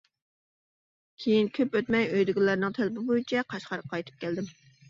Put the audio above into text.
كېيىن كۆپ ئۆتمەي ئۆيدىكىلەرنىڭ تەلىپى بويىچە قەشقەرگە قايتىپ كەلدىم.